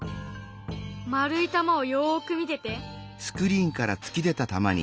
丸い玉をよく見てて！